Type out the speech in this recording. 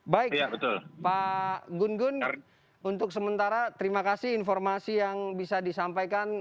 baik pak gun gun untuk sementara terima kasih informasi yang bisa disampaikan